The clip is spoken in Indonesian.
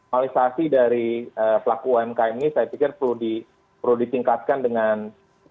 alisasi dari pelaku umkm ini saya pikir perlu ditingkatkan dengan